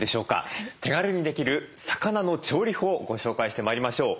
手軽にできる魚の調理法ご紹介してまいりましょう。